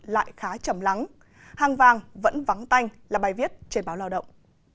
lại khá chầm lắng hàng vàng vẫn vắng tanh là bài viết trên báo lao động